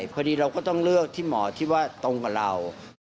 พอดีเราก็ต้องเลือกที่หมอที่ว่าตรงกับเรา